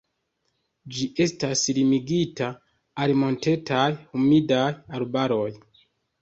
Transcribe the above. Ĝi estas limigita al montetaj humidaj arbaroj.